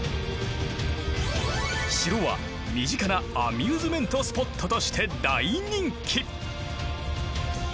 城は身近なアミューズメントスポットとして大人気！